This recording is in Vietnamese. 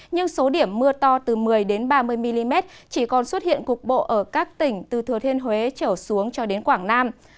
nhưng số điểm mưa to từ một mươi ba mươi mm chỉ còn xuất hiện cục bộ ở các tỉnh từ thừa thiên huế trở xuống cho đến quảng nam